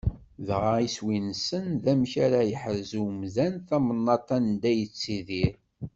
Dɣa iswi-nsen d amek ara yeḥrez umdan tawennaḍt anda yettidir.